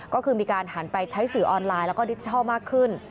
ก็คือมีการหันไปใช้สื่อออนไลน์แล้วก็ดิจิทัลมากขึ้น